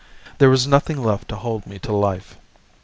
There was nothing left to hold me to life.